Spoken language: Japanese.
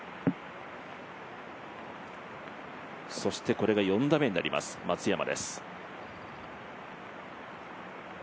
これが４打目になります、松山です。